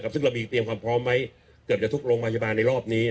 ซึ่งเรามีเตรียมความพร้อมไว้เกือบจะทุกโรงพยาบาลในรอบนี้